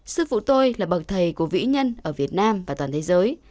sư vụ tôi là bậc thầy của vĩ nhân ở việt nam và toàn thế giới